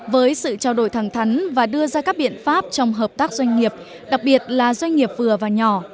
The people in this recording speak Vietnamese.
với sự trao đổi thẳng thắn và đưa ra các biện pháp trong hợp tác doanh nghiệp đặc biệt là doanh nghiệp vừa và nhỏ